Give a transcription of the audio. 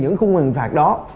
những khung hình phạt đó